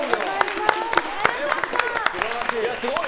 すごい！